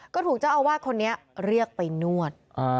ก็ถูกเจ้าอาวาสคนนี้เรียกไปนวด